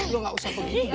lo gak usah begitu deh